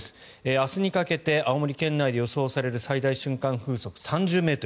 明日にかけて青森県内で予想される最大瞬間風速、３０ｍ。